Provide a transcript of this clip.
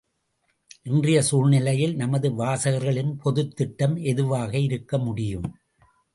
இன்றைய சூழ்நிலையில் நமது வாக்காளர்களின் பொதுத்திட்டம் எதுவாக இருக்க முடியும்?